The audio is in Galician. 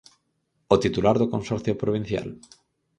¿O titular do consorcio provincial?